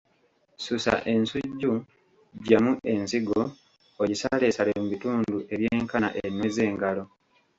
Susa ensuju, ggyamu ensigo, ogisaleesale mu bitundu ebyenkana ennwe z'engalo.